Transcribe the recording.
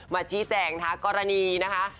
มาชี้แจ่งค่ะกรณีนะคะ